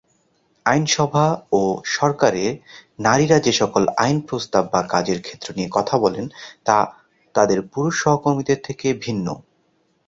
আইনসভা ও সরকারে নারীরা যে সকল আইন প্রস্তাব বা কাজের ক্ষেত্র নিয়ে কথা বলেন, তা তাদের পুরুষ সহকর্মীদের থেকে ভিন্ন।